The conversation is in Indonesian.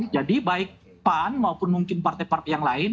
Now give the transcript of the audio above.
jadi baik pan maupun mungkin partai partai yang lain